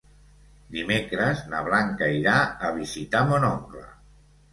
Dimecres na Blanca irà a visitar mon oncle.